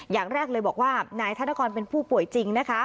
อย่างแรกเลยบอกว่านายธนกรเป็นผู้ป่วยจริงนะคะ